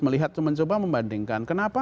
melihat mencoba membandingkan kenapa